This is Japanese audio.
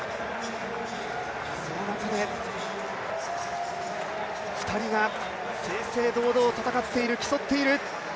その中で２人が正々堂々戦っている、競っている。